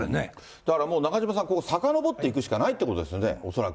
だからもう中島さん、さかのぼっていくしかないということですね、恐らく。